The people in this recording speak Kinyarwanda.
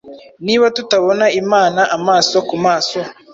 niba tutabona imana amaso ku maso,